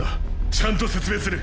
ちゃんと説明する。